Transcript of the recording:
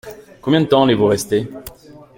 Combien de temps allez-vous rester ?